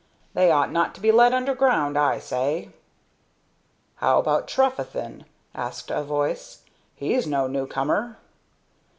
"They ought not to be let underground, I say." "How about Trefethen?" asked a voice. "He's no new comer."